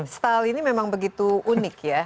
style ini memang begitu unik ya